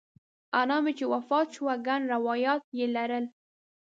انا مې چې وفات شوه ګڼ روایات یې لرل.